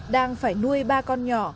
đang phải nuôi ba con nhỏ